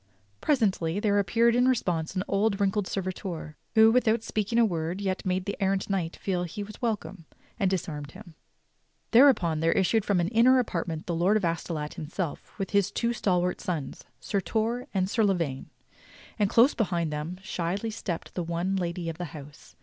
Presently there appeared in response an old and wrinkled servitor, who, without speaking a word yet made the errant knight feel that he was welcome, and disarmed him. Thereupon there issued from an inner apartment the Lord of Astolat himself with his two stal wart sons. Sir Torre and Sir La vaine; and close behind them shyly stepped the one lady of the house.